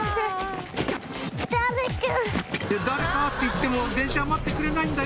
「だれかぁ」って言っても電車は待ってくれないんだよ